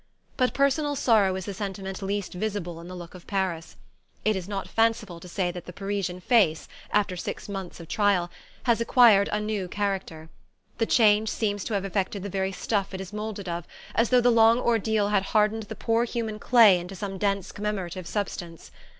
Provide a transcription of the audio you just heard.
But personal sorrow is the sentiment least visible in the look of Paris. It is not fanciful to say that the Parisian face, after six months of trial, has acquired a new character. The change seems to have affected the very stuff it is moulded of, as though the long ordeal had hardened the poor human clay into some dense commemorative substance.